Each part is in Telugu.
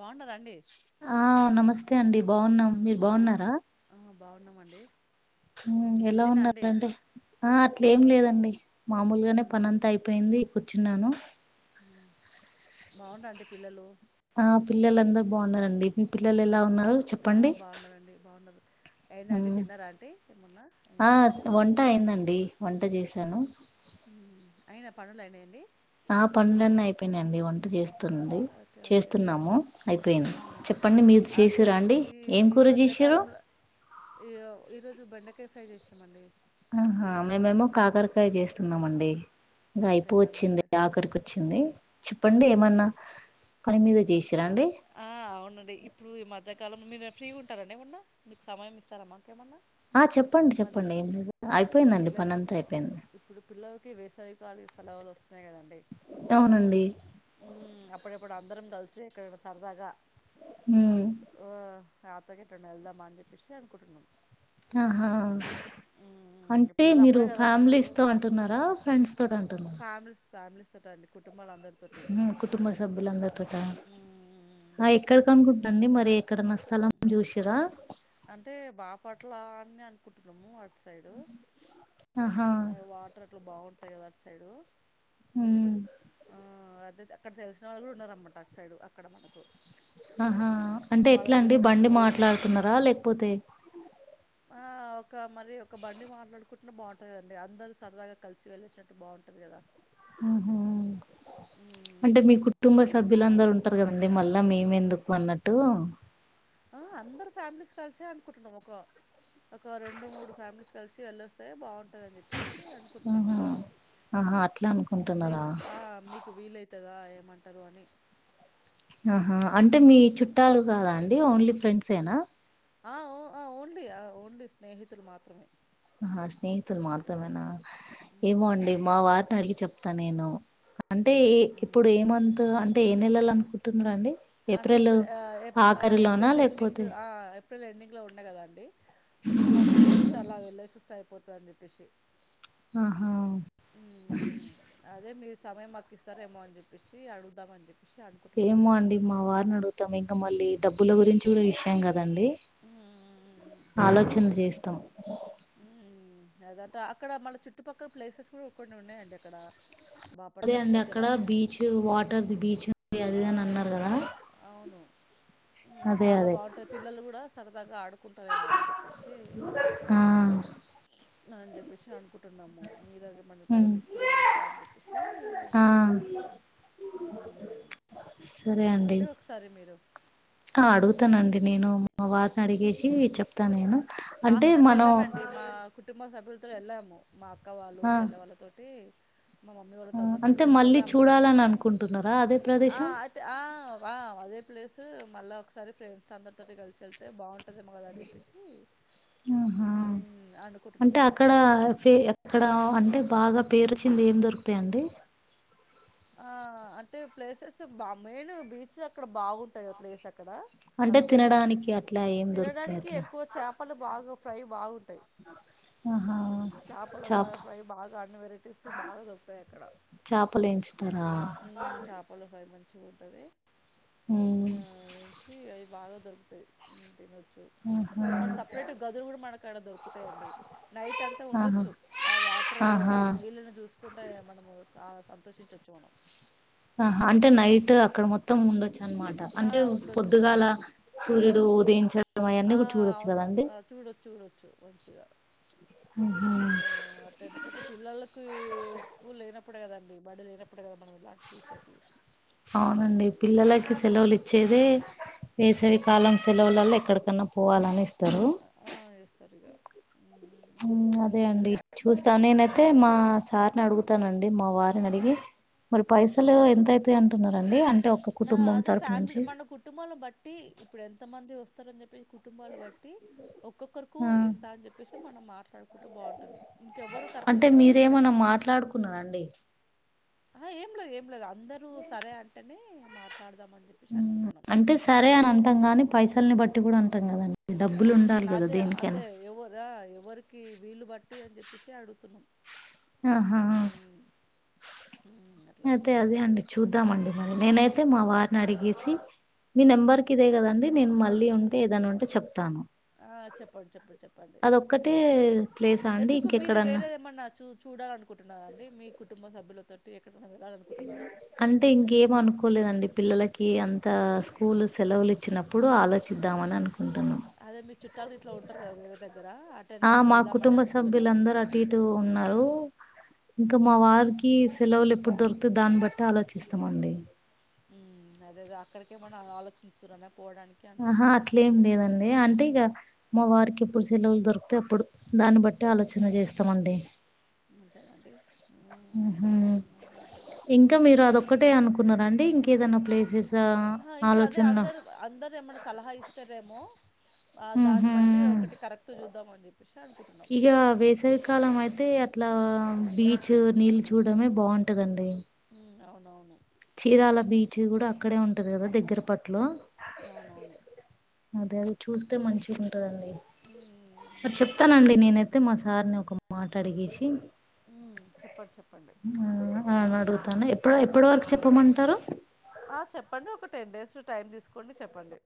బాగున్నారా అండి ఆ నమస్తే అండి బాగున్నాం నమస్తే మీరు ఆ, బాగున్నారా ఆ, బాగున్నామండి ఊ ఉమ్, ఎలా బిజీనా అండి ఉన్నారండి ఆ అట్లే ఏం లేదండి మామూలుగానే పనంత అయిపోయింది కూర్చున్నాను బాగుండ్రా అండి పిల్లలు ఆ పిల్లలందరు బాగున్నారండి మీ పిల్లలు ఎలా ఉమ్, ఉన్నారో ఆ, చెప్పండి బాగున్నారండి బాగున్నారు అయిందా ఊ అండి తిన్నారా అండి ఏమన్నా ఆ అయినాయి పనులు వంట అయిందండి వంట చేసాను ఊ అయినా పనులు అయినా అండి ఆ పనులన్ని అయిపోయినాయండి వంట చేస్తుంది ఓకే ఓకే చేస్తున్నాము అయిపోయింది ఉమ్, చెప్ పని మీరు అదే చేస్సిర్రా అండి ఏం కూర చేస్సిరు ఇగో ఈరోజు బెండకాయ ఫ్రై చేసినాము అండి ఆహా మేమేమో కాకరకాయ చేస్తున్నామండి ఇంకా అయిపో అంతేనా బెండ వచ్చింది ఆఖరికి వచ్చింది చెప్పండి అంతేనా ఏమన్నా పని మీద చేసి ఆ అవునండి ఇప్పుడు ఈ మధ్యకాలం మీరు ఫ్రీ ఉంటారండి ఏమన్నా మీ సమయం ఇస్తారమ్మా ఆ చెప్పండి చెప్పండి ఏం లేదు అయిపోయిందండి పని అంతా అయిపోయింది ఈ వేసవి కల సేలవులు వస్తుయి కదండి అవునండి హుమ్ అప్పుడప్పుడు అందరం కలిసి ఎక్కడైనా సరదాగా ఉమ్ ఆ అట్ల గిట్ల ఎటైనా వెళ్దామా అని చెప్పేసి అనుకుంటున్నాం ఆహా ఉమ్, అంటే పిల్లలు మీరు అప్పుడే కదా మనకు ఫ్యామిలీస్ తో అంటున్నారా ఫ్రెండ్స్ తోటి అంటున్నారా డ్స్ తోటి అనుకుంట్ కుటుంబ సభ్యులందరి తోట ఉమ్, ఆ ఎక్కడికనుకుంటున్నారండి మరి ఎక్కడన్న స్థలం చూసిర్ర అంటే బాపట్లా అని అనుకుంటున్నాము అటు సైడు ఆహా వాటర్ అట్లా బాగుంటాయి కదా అటు సైడు ఊ ఆ, అదే అక్కడ తెలిసిన వాళ్ళు కూడా ఉన్నారన్నమాట అటు సైడు అక్కడ మనకు ఆహా అంటే ఎట్లా వాళ్ళని అండి చూసినట్టు బండి మాట్లాడుతున్నారా లేకపోతే ఆ! ఒక మరి ఒక బండి మాట్లాడుకుంటున్న బాగుంటది కదండి అందరు సరదగా కలిసి వెళ్లి వచ్చినట్టు బాగుంటది కదా ఉహు హ్మ్. అంటే మీ హ్మ్. కుటుంబ సభ్యులందరు ఉంటు ంటారు కదండి మళ్ళా మేము ఎందుకు అన్నట్టు ఆ అందరు ఫ్యామిలీస్ కలిసే అనుకుంటున్నాం ఒక ఒక రెండు మూడు ఫ్యామిలీస్ కలిసి వెళ్లి వస్తే బాగుంటది అని చెప్పి ఆహా అనుకుంటున్నామాట ఆహా అట్లా అనుకుంటున్నారా మీకు ఆ మీకు వీలైతే కదా ఏమంటారో అని ఆహా అంటే హ్మ్. మీ హ్మ్. చుట్టాలు కాదా అండి ఓన్లీ ఫ్రెండ్స్ ఏనా ఆఓ ఆ ఓన్లీ ఆ ఓన్లీ స్నేహితులు మాత్రమే ఆ స్నేహితులు మాత్రమేనా ఏమో హ్మ్. అండి మా వారిని అడిగి చెప్త త నేను అంటే ఏ ఇప్పుడు ఏ హ్మ్. మంత్ అంటే ఏ నెలలో అనుకుంటున్న అండి అంటే ఇప్పుడు ఏప్రిల్ ఎండింగ్ లేకపోతే అ ఏప్రిల్ ఎండింగ్లో ఉన్న కదాండి ఒక టూ త్రీ డేస్ అలా వెళ్లేేసి వస్తే అయిపోతదని చెప్పేసి ఆహ ఉమ్, అదే మీ సమయం మాకు ఇస్తారేమో అని చెప్పేసి అడుగుదమని చెప్పి ఏమో అండి మా వారు ని మొత్తం ఇంకా మళ్ళీ డబ్బుల గురించి కూడా విషయం కదండి ఉమ్, ఆలోచించి చేస్తాం మ్ ఆదట అక్కడ మళ్ళ చుట్టుపక్కల ప్లేసెస్ కూడా కొన్ని ఉన్నాయండి అక్కడ అదే బాపట్ల అండి దగ్గర అక్కడ బీచ్ వాటర్ ది బీచ్ ఆ, అదేనని అన్నారు కదా అవును అదే చాలా అదే బాగుంటుంది పిల్లలు కూడా సరదాగా ఆడుకుంటారేమో అని చెప్పేసి ఆ న్నా చెప్పేసి అనుకుంట్ అంటున్నాము మీరు ఏమన్నా టైం ఉమ్ ఇస్తారా ఎట్లా అని చెప్పేసి ఆ అనుకుంటున్నామ ఇగ మ్ సరే అండి చూడండి ఒకసారి మీరు ఆ ఉమ్, అడుగుతానండి నేను మా వారీని ఉమ్. అడిగేసి ఇగ చెప్తాన లాస్ట్ టైం వెళ్ళామండి మా కుటుంబ సభ్యులతోనే వెళ్ళాము మా అక్క వాళ్ళు చెల్లె వాళ్ళతోటి మా మమ్మీ వాళ్ళతో మ్ అందరితో అంతే కలిసి మళ్ళీ వెళ్ళాము చూడాలని అనుకుంటున్నా ఆ అయితే ఆ ఆ అదే ప్లేస్ మళ్ళీ ఒకసారి ఫ్రెండ్స్ అందరితోటి కలిసేళ్తే బాగుంటుదేమో కద అని చెప్పేసి ఆహా ఉమ్, అంటే అనుకుంటున్నామాట అక్కడ అట్లా అని ఫె ఎక్కడ అంటే బాగా పేరు చింది ఏం దొరుకుతాయిండి ఆ అంటే ప్లేసెస్ బా మెయిన్ బీచ్ అక్కడ బాగుంటాయి ప్లేస్ అక్ ఇక్కడ అంటే స్థలము తినడానికి అట్లా ఏం దొరుకుతాయి తినడానికి అట్లా ఎక్కువ చేపల బాగా ఫ్రై బాగున్ టయ్ ఆహా చేపల బ చాప ఫ్రై బాగా అన్ని వెరైటీస్ బాగా దొకుతాయి అక్కడ చేపలు ఎంచుతారా అది మంచిగా ఉంటది మ్ ఏంచి అయి బాగా దొరుకుతాయి తినొచ్చు మ్ మన సపరేట్ గదులు కూడా మనకు అక్కడ దొరుకుతాయండి నైట్ అంతా ఆహా ఉండొచ్చు ఆ వాటర్ ఆహా ఆ నీళ్ళని చూసుకుంట మనము ఆ సంతోషించచ్చు మనం ఆహా అంటే నైట్ అక్కడ మొత్తం ఉండొచ్చు అనమాట ఆ! అంటే ఉండొచ్చు. పొద్దుగాల సూర్యుడు హ్మ్. ఉదయించడం ఆ! అయన్నీ కూడా చూడొచ్చు అవునవును. కదండి ఆ! చూడొచ్చు చూడొచ్చు మంచిగా ఆ అటెందుకంటే పిల్లలకి స్కూల్ లేనప్పుడు అప్పుడు కదండి బడి లేనప్పుడు కదా మనం ఇలాంటి చూసేటియి వచ్చేదే ఆ! వేసవి కాలం సెలవులలో ఎక్కడకన్నా పోవాలనిస్త ఆ ఇస్తారు ఇగ మ్ అదే అండి చూస్తాం నేనైతే మా సార్ని అడుగుతానండి మా వారిని అడిగి మరి ఆహా! పైసలు ఎంతయిత అంటున్నారు ఆ అదే ఫ్యామిలీ మన కుటుంబాల బట్టి ఇప్పుడు ఎంత మంది వస్తారని చెప్పి కుటుంబాలు బట్టి ఒక్కొక్కరుకు ఆ ఇంత అని చెప్పేసి మనం మాట్లాడు కుంటూ బాగుంటుంది ఇంకెవ్వరు కరెక్ట్ అంటే చెప్పలేదు కదా మీరేమన్నా మాట్లాడుకున్నారండి ఆహా ఏం లేదు ఏం లేదు అందరూ సరే అంటేనే మాట్లాడదాం అని చెప్పేసి మ్మ్ అనుకుంటున్నాం టుగురుంటున్ కదండి డబ్బులు ఉండాలి మ్ కదా అదే దేనికైనా అదే ఎవరు ఆ ఎవరికి వీలు బట్ట టి అని చెప్పేసి అడుగుతున్నాం ఆహా ఉమ్ ఉమ్ అట్లా అని అయితే చెప్పేసి అదే అండి చూద్దామండి మరి నేనయితే మా వారిని అడిగేసి మీ నెంబర్ కిదే కదండి నేను మళ్ళీ ఉంటే ఏదనా ఉంటే చెప్తాను ఆ చెప్పండి చెప్పండి చెప్పండి అదొక్కటే ప్లేసా అండి ఎందుకు మీరు ఇంకెక్కడన్నా వేరే ఏమన్నా చూ చూడాలనుకుంటున్నరా అండి మీ కుటుంబ సభ్యులతోటి ఎక్కడైనా వెళ్ళాలనుకుంటున్నారా అంటే ఇంకేం అనుకోలేదండి పిల్లలకి అంత స్కూల్ సెలవులు ఇచ్చినప్పుడు ఆలోచిద్దామని అనుకుంటునము అదే మీ చూట్టాలు ఇట్లా ఉంటారు కదా వేరే దగ్గర అటైనా ఆ మా వెళ్దామని కుటుంబ అనుకుంటున్నారా సభ్యులందరు అటు ఇటు ఉన్నారు ఇంకా మా వారికి సెలవులు ఎప్పుడు దొరుకుతె దాన్ని బట్టి ఆలోచిస్తామండి అదే అదే అక్కడికేమన ఆలోచిస్తున్నర ఆహా అట్లేం లేదండి అంటే ఇగా మా వారికి ఎప్పుడు సెలవులు దొరికితే అప్పుడు దాన్ని బట్టి ఆలోచన చేస్తామండి అంతేనండి హ ఉమ్ అదే అంటున్నా ఇంకా మీరు అదొక్కటే అనుకున్నారండి ఇంకేదైనా ప్లేసెస్ ఆహ్, ఆ ఇంకా అదే ఆలోచనలో అందరు అందరు ఏమైన్నా సలహా ఇస్తారేమో ఆ దాన్ని హుహు. బట్టి ఒకటి కరెక్ట్ చూద్దాం అని చెప్పేసి అనుకుంటున్నాం కాలం అయితే అట్లా బీచ్ నీళ్ళు చూడమే బాగుంటదండి అవునవును చీఆల బీచ్లు కూడా అక్కడే ఉంటది కదా దగ్గర పట్లో అవునవును అదే అది చూస్తే మంచిగా ఉంటుందండి ఉమ్ మరి చెప్తానండి మంచిగుంటది నేనైతే మా సార్ ని ఒక మాట అడిగేసి ఉమ్ చెప్పండి చెప్పండి ఉమ్, ఆ అడుగుతాను ఎప్పుడ ఎప్పటి వరకు చెప్పమంటారు ఆ చెప్పండి ఒక టెన్ డేస్ లో టైమ్ తీసుకోండి చెప్పండి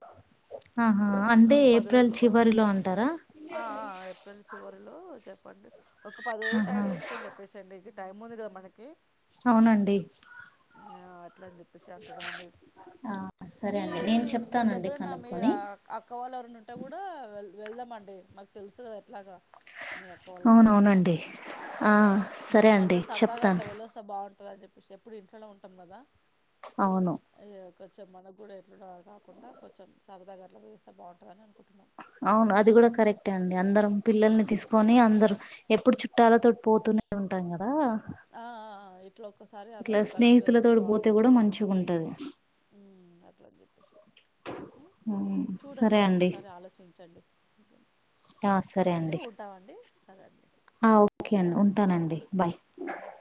ఆహా అంటే ఒక పది ఏప్రిల్ రోజులు ఆ. చివరిలో అంటారా ఆ! ఆ! ఏప్రిల్ చివరిలో చెప్పండి ఒక పది రోజులు టైం తీసుకొని చెప్పేసేయండి ఇంకా టైం ఉంది కదా మనకి అవునండి ఆ అట్లా అని చెప్పేసి అంటుడం అండి ఆ సరే మీ అండి మీ నేను మీ చెప్తానండి దగ్గరున్న మీ కనుక్కొని అక్క వాళ్ళ ఎవరన్నా ఉంటే కూడా ది వెళ్దామండి మాకు తెలుసు కదా ఎట్లాగా మీ అక్క వాళ్ళందరూ కూడా అవునవునండి నాకు ఆ సరే మళ్ళ అండి సరదాగా చెప్తాను అట్లా వెళ్ళొస్తే బాగుంటది అని చెప్పేసి ఎప్పుడు ఇంట్లోనే ఉంటాం కదా అవును ఇగ కొంచెం మనకు కూడా ఎట్లనో కాకుండా కొంచెం సరదాగా అట్లా పోయి వస్తే బాగుంటదని అనుకుంటు అవును అది కూడా కరెక్టే అండి అందరం పిల్లల్ని తీసుకొని అందరు ఎప్పుడు చుట్ట లతోటి పోతూనే ఉంటాం కదా ఆ ఇట్లా ఒక్కసారి ఇట్లా అందరం కలిసి స్నేహితులతో పోతే కూడా మంచిగా ఉంటది ఉ అట్ల అని చెప్పేసి చూడండి సరే అండి ఒక్కసారి ఆలోచించండి సరే అండి ఉంటామండి సరే అండి ఆ ఓకే అండి ఉంటానండి బాయ్ బాయ్